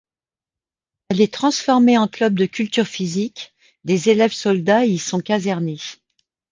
Elle est transformée en club de culture physique, des élèves soldats y sont casernés.